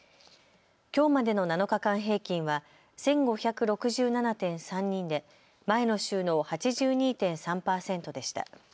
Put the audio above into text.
きょうまでの７日間平均は１５６７．３人で前の週の８２．３％でした。